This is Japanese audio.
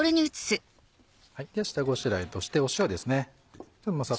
下ごしらえとして塩ですね。